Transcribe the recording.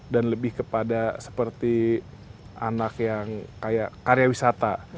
dan lebih kepada seperti anak yang kaya karyawisata